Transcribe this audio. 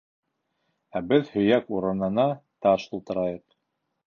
— Ә беҙ һөйәк урынына таш тултырайыҡ.